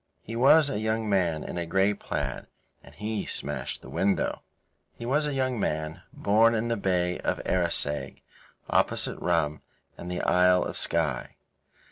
He was a young man in a grey plaid, and he smashed the window. He was a young man, born in the Bay of Arisaig, opposite Rum and the Isle of Skye.